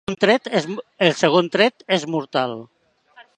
El segon tret és mortal.